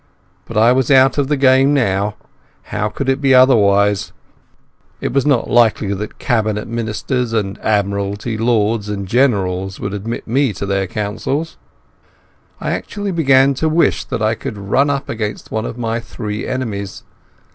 But I was out of the game now. How could it be otherwise? It was not likely that Cabinet Ministers and Admiralty Lords and Generals would admit me to their councils. I actually began to wish that I could run up against one of my three enemies.